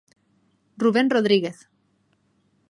Rubén Rodríguez.